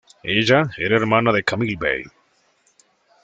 Ella era hermana de Kamil Bey.